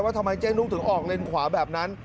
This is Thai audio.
ทำไมเจ๊นุกถึงออกเลนขวาแบบนั้น